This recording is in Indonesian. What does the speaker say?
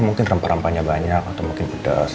mungkin rempah rempahnya banyak atau mungkin pedas